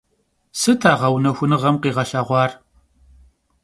Sıt a ğeunexunığem khiğelheğuar?